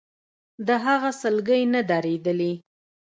د هغه سلګۍ نه درېدلې.